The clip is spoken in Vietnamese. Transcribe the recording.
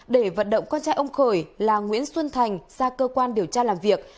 để vận động con trai ông khởi là nguyễn xuân thành ra cơ quan điều tra làm việc